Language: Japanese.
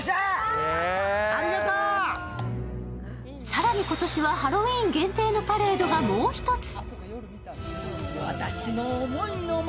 更に今年は、ハロウィーン限定のパレードがもう一つ。